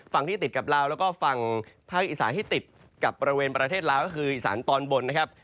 ฝั่งที่ติดกับลาวแล้วก็ฝั่งภาคอีสานที่ติดกับบริเวณประเทศลาวก็คืออีสานตอนบนนะครับ